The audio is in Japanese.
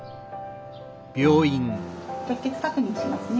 結節確認しますね。